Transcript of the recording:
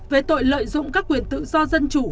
về tội lợi dụng các quyền tự do dân chủ